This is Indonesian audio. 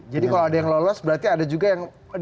jadi kalau ada yang lolos berarti ada juga yang